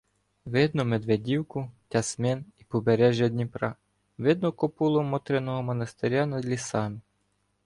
Видно Медведівку, Тясмин і побережжя Дніпра, видно копулу Мотриного монастиря над лісами.